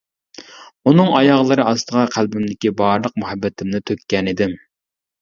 ئۇنىڭ ئاياغلىرى ئاستىغا قەلبىمدىكى بارلىق مۇھەببىتىمنى تۆككەنىدىم.